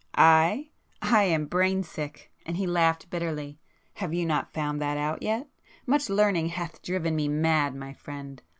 "I? I am brainsick!" and he laughed bitterly—"Have you not found that out yet? Much learning hath driven me mad, my friend!